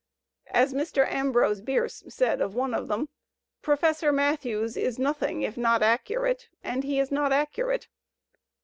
As Mr. t \ Ambrose Bierce said of one of them, "Professor Matthews ' 1 is nothing if not acciurate, and he is not accurate."